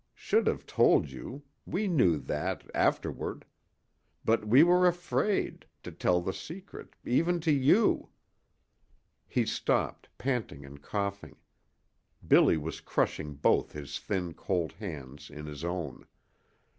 Should have told you. We knew that afterward. But we were afraid to tell the secret even to you " He stopped, panting and coughing. Billy was crushing both his thin, cold hands in his own.